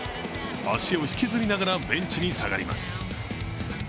足を引きずりながらベンチに下がります。